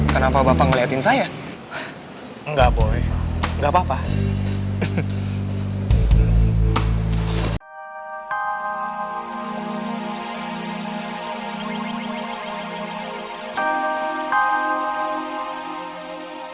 bapak mau ngomongnya jangan serius serius